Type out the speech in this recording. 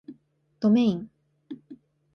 どめいん